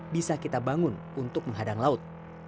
bisa kita bangun untuk menghadang laut